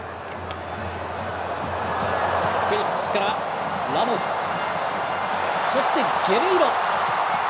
フェリックスからラモスそしてゲレイロ。